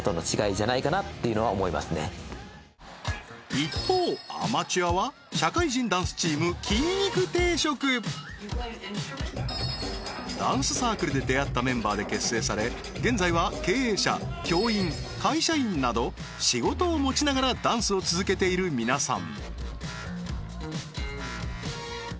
一方アマチュアは社会人ダンスチーム筋肉定食ダンスサークルで出会ったメンバーで結成され現在は経営者・教員・会社員など仕事を持ちながらダンスを続けている皆さん